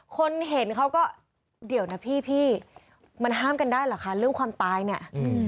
คนเห็นเขาก็เดี๋ยวนะพี่พี่มันห้ามกันได้เหรอคะเรื่องความตายเนี่ย